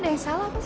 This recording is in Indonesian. ada masalah apa soe